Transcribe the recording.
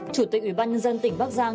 chủ tịch ubnd tỉnh bắc giang